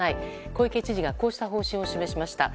小池知事がこうした方針を示しました。